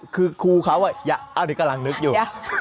คือครูเขาอันนี้กำลังนึกอยู่